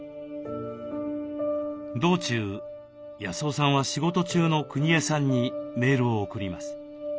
道中康雄さんは仕事中のくにえさんにメールを送ります。